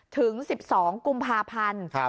ถึง๑๒กุมภาพันธ์